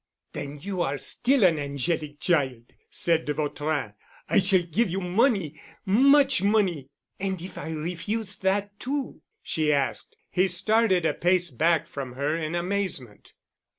"Then you are still an angelic child," said de Vautrin. "I shall give you money—much money." "And if I refuse that too?" she asked. He started a pace back from her in amazement.